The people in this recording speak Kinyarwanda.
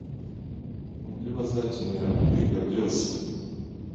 mubyo bazakenera mukwiga byose .